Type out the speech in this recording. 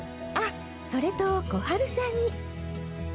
あっそれとコハルさんに。